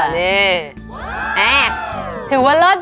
นี่